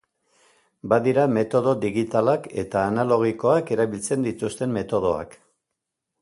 Badira metodo digitalak eta analogikoak erabiltzen dituzten metodoak.